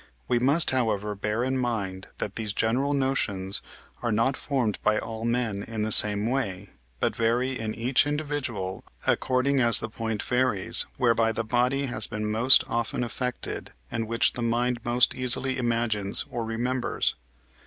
We must, however, bear in mind, that these general notions are not formed by all men in the same way, but vary in each individual according as the point varies, whereby the body has been most often affected and which the mind most easily imagines or remembers.